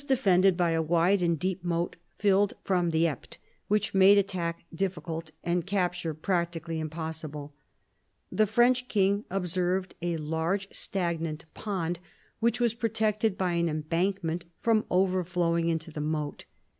defended by a wide and deep moat filled from the Epte, which made attack difficult and capture practically impossible. The French king observed a large stagnant pond which was protected by an embankment from over flowing into the moat.